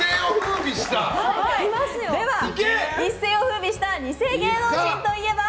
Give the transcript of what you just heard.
では、一世を風靡した２世芸能人といえば？